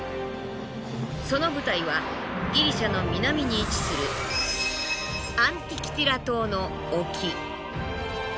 その舞台はギリシャの南に位置するアンティキティラ島の沖。